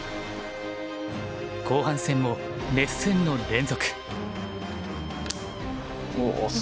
後半戦も熱戦の連続。